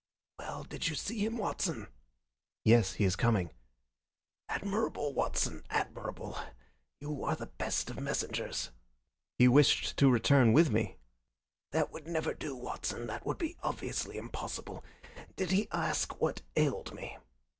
"Well, did you see him, Watson?" "Yes; he is coming." "Admirable, Watson! Admirable! You are the best of messengers." "He wished to return with me." "That would never do, Watson. That would be obviously impossible. Did he ask what ailed me?"